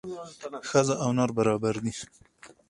ښځه او نر برابر دي